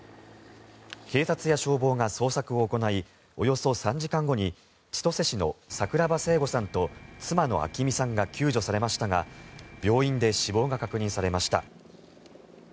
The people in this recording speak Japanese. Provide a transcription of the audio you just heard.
警察や消防が捜索を行いおよそ３時間後に千歳市の櫻庭彗悟さんと妻の暁海さんが救助されましたが病院で死亡が確認されました。